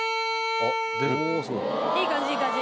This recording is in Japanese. いい感じいい感じ。